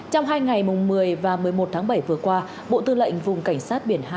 trong hai ngày một mươi và một mươi một tháng bảy vừa qua bộ tư lệnh vùng cảnh sát biển hai